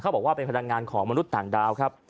บอกว่าเป็นพลังงานของมนุษย์ต่างดาวครับ